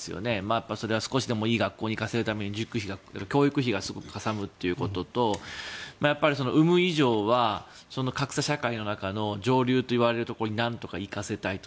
やっぱりそれは少しでもいい学校に行かせるために教育費がかさむということと産む以上は格差社会の中の上流といわれるところに何とか行かせたいと。